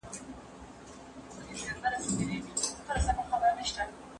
هغې خپل استعداد په کار واچاوه.